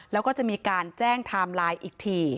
แล้วก็จะมีการแจ้งไทม์ไลน์อีกที